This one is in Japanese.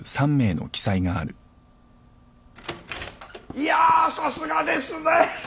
いやさすがですね！